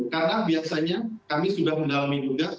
karena biasanya kami sudah mendalami dugaan